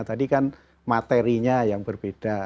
tadi kan materinya yang berbeda